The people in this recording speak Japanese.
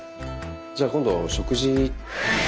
じゃあ今度食事。